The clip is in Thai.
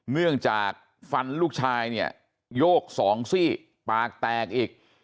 เนื่องจากฟันลูกชายเนี่ยโยกสองซี่ปากแตกอีก